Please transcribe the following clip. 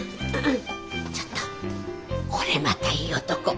ちょっとこれまたいい男。